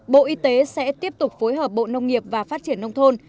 bộ y tế sẽ tiếp tục phối hợp bộ nông nghiệp và phát triển nông thôn